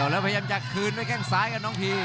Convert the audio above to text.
แล้วพยายามจะคืนด้วยแข้งซ้ายกับน้องพี